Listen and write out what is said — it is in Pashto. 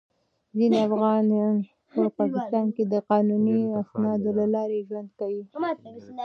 ځینې افغانان په پاکستان کې د قانوني اسنادو له لارې ژوند کوي.